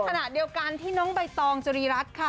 ขณะเดียวกันที่น้องใบตองจรีรัตน์ค่ะ